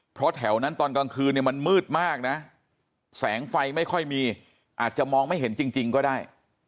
เพราะแถวนั้นตอนกลางคืนเนี่ยมันมืดมากนะแสงไฟไม่ค่อยมีอาจจะมองไม่เห็นจริงก็ได้